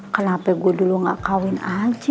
kenapa gue dulu gak kawin aja